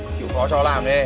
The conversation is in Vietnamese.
chỉ có cho làm đi